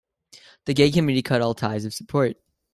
The gay community cut all ties of support.